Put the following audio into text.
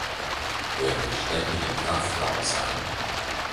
Er will ständig im Kraftraum sein.